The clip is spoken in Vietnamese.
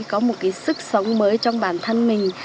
có một cái sức sống mới trong bản thân mình